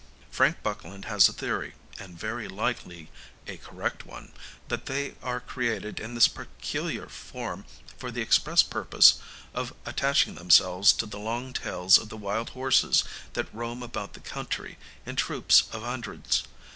[Illustration: Devils Horns] Frank Buckland has a theory and very likely a correct one that they are created in this peculiar form for the express purpose of attaching themselves to the long tails of the wild horses that roam about the country in troops of hundreds.